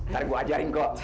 nanti gue ajarin kok